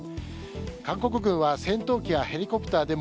韓国軍は戦闘機やヘリコプターでも